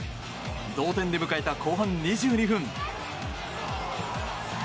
同点で迎えた後半２２分。